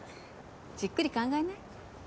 じっくり考えな。